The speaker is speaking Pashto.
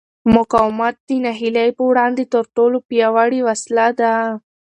مقاومت د ناهیلۍ پر وړاندې تر ټولو پیاوړې وسله ده.